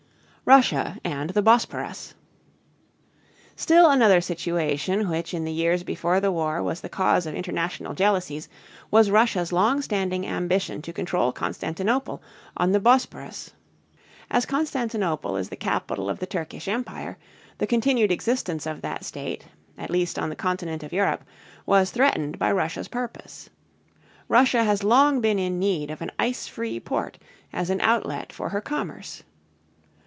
RUSSIA AND THE BOSPORUS. Still another situation which in the years before the war was the cause of international jealousies was Russia's long standing ambition to control Constantinople on the Bos´porus. As Constantinople is the capital of the Turkish Empire, the continued existence of that state, at least on the continent of Europe, was threatened by Russia's purpose. Russia has long been in need of an ice free port as an outlet for her commerce.